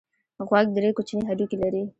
غوږ درې کوچني هډوکي لري.